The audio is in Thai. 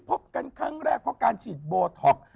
พบกันครั้งแรกเพราะการฉีดโบท็อก